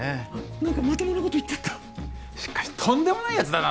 何かまともなこと言っちゃったしかしとんでもない奴だな